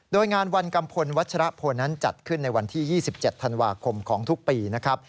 โดยงานวันกัมพลวัชรพลนั้นจัดขึ้นในวันที่๒๗ธันวาคมของทุกปีนะครับ